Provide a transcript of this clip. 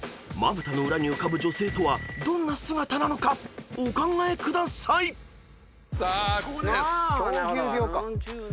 ［まぶたの裏に浮かぶ女性とはどんな姿なのかお考えください］